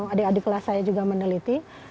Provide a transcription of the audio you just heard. adik adik kelas saya juga meneliti